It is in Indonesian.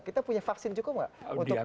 kita punya vaksin cukup nggak untuk